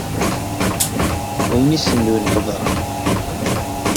Am win issenduyen qeḍran.